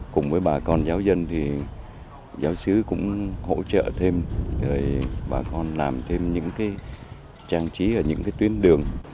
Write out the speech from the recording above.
cùng với bà con giáo dân thì giáo sứ cũng hỗ trợ thêm rồi bà con làm thêm những cái trang trí ở những cái tuyến đường